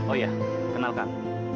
oh ya kenalkan